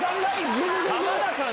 浜田さん